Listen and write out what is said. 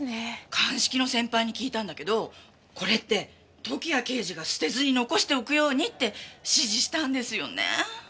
鑑識の先輩に聞いたんだけどこれって時矢刑事が捨てずに残しておくようにって指示したんですよね？